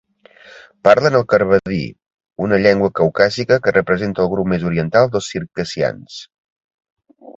Parlen el kabardí, una llengua caucàsica que representa el grup més oriental dels circassians.